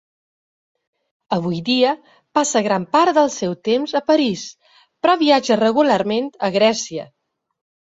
Avui dia, passa gran part del seu temps a París, però viatja regularment a Grècia.